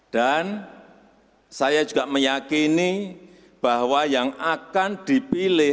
dan saya juga meyakini bahwa yang akan dipilih